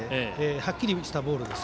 しっかり落ちたボール